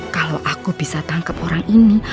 kalau aku bisa tangkap orang ini